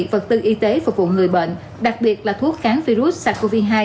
vật tư y tế phục vụ người bệnh đặc biệt là thuốc kháng virus sars cov hai